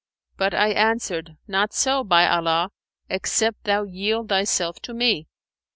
But I answered, 'Not so, by Allah, except thou yield thyself to me.'